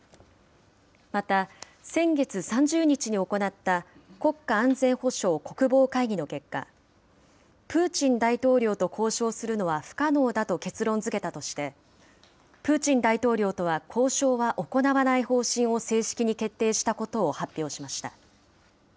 また、先月３０日に行った国家安全保障・国防会議の結果、プーチン大統領と交渉するのは不可能だと結論づけたとして、プーチン大統領とは交渉は行わない方針を正式に決定したことを発表しました。